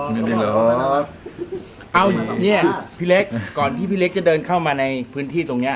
เงินเองเหรอเอาเนี้ยพี่เล็กก่อนที่พี่เล็กจะเดินเข้ามาในพื้นที่ตรงเนี้ย